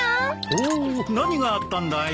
おお何があったんだい？